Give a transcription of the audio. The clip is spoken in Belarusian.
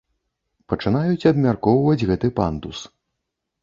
Пачынаюць абмяркоўваць гэты пандус.